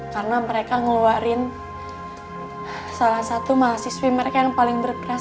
karena mereka ngeluarin salah satu mahasiswi mereka yang paling bertanggung jawab